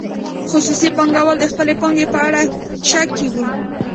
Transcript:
خصوصي پانګوال د خپلې پانګې په اړه شک کې وو.